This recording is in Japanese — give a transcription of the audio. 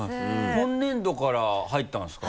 今年度から入ったんですか？